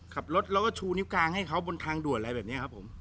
ขับรถแล้วก็ชูนิ้วกลางให้เขาบนทางด่วนอะไรแบบนี้ครับผม